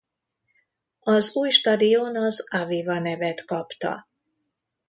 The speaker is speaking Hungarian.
Az új stadion az Aviva nevet kapta.